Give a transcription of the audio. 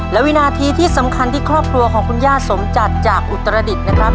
และวินาทีที่สำคัญที่ครอบครัวของคุณย่าสมจัดจากอุตรดิษฐ์นะครับ